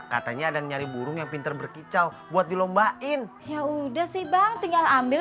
katanya ada nyari burung yang pintar berkicau buat dilombain ya udah sih bang tinggal ambil